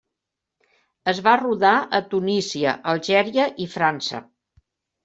Es va rodar a Tunísia, Algèria i França.